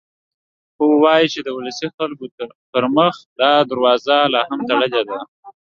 خو وايي چې د ولسي خلکو پر مخ دا دروازه لا هم تړلې ده.